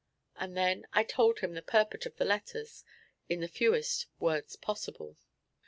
And then I told him the purport of the letters in the fewest words possible.